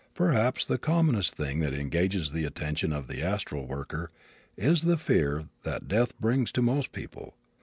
Perhaps the commonest thing that engages the attention of the astral worker is the fear that death brings to most people.